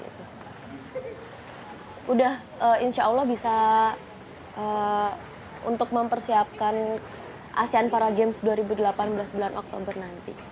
sudah insya allah bisa untuk mempersiapkan asean para games dua ribu delapan belas bulan oktober nanti